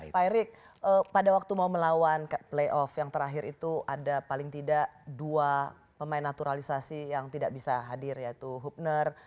pak erik pada waktu mau melawan playoff yang terakhir itu ada paling tidak dua pemain naturalisasi yang tidak bisa hadir yaitu hubner